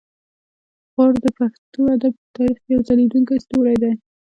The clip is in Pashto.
غور د پښتو ادب په تاریخ کې یو ځلیدونکی ستوری دی